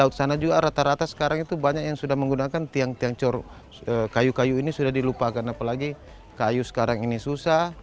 al tank teman biar lebih nilai manis